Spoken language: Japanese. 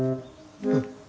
うん。